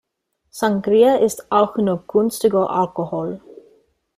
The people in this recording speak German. Sangria ist auch nur günstiger Alkohol.